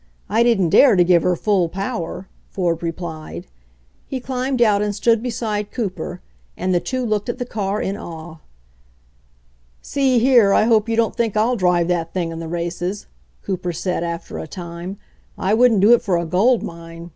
I didn't dare to give her full power," Ford replied. He climbed out and stood beside Cooper, and the two looked at the car in awe. "See here, I hope you don't think I'll drive that thing in the races," Cooper said after a time. "I wouldn't do it for a gold mine.